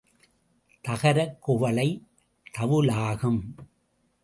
தகரக் குவளை தவுலாகும்.